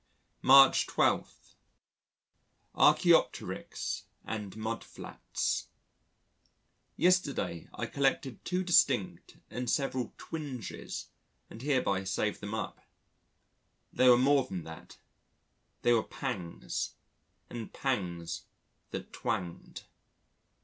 March 12. Archæopteryx and Mudflats Yesterday I collected two distinct and several twinges and hereby save them up. They were more than that they were pangs, and pangs that twanged.